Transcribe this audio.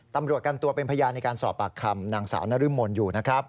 ตำรวจกันตัวเป็นพยานในการสอบปากคำนางสาวนรมนอยู่นะครับ